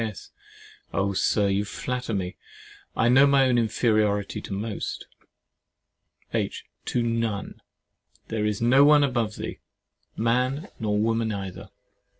S. Oh! Sir, you flatter me. I know my own inferiority to most. H. To none; there is no one above thee, man nor woman either.